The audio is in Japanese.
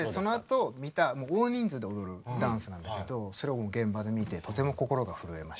大人数で踊るダンスなんだけどそれを現場で見てとても心がふるえました。